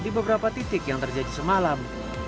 di beberapa titik yang terjadi semalam